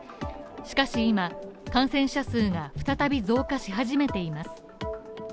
しかし今、感染者数が再び増加し始めています。